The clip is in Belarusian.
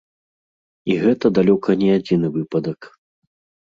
І гэта далёка не адзіны выпадак.